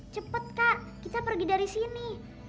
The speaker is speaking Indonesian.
cepat kak kita pergi dari sini